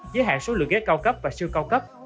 giới hạn số lượng ghế cao cấp và siêu cao cấp